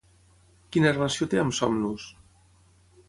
Quina relació té amb Somnus?